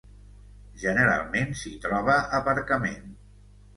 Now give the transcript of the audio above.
generalment s'hi troba aparcament